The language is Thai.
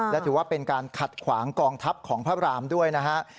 และถือว่าเป็นการขัดขวางกองทัพของพระรามด้วยนะฮะ